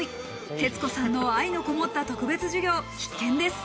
徹子さんの愛のこもった特別授業、必見です。